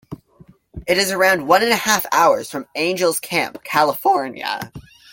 It is around one and a half hours from Angels Camp, California.